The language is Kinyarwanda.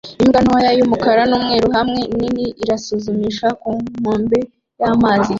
Imbwa ntoya y'umukara n'umweru hamwe nini irisuzumisha ku nkombe y'amazi